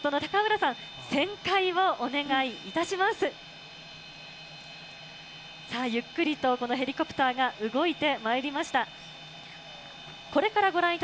さあ、ゆっくりと、このヘリコプターが動いてまいりました。